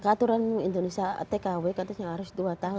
aturan indonesia tkw katanya harus dua tahun